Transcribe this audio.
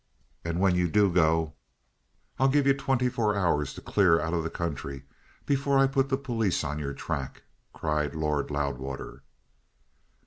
And when you do go, I'll give you twenty four hours to clear out of the country before I put the police on your track," cried Lord Loudwater.